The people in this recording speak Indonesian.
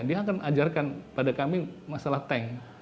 dia akan ajarkan pada kami masalah tank